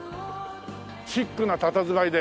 シックなたたずまいで。